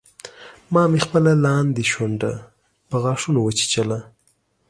ما مې خپله لاندۍ شونډه په غاښونو وچیچله